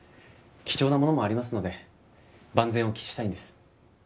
貴重なものもありますので万全を期したいんです。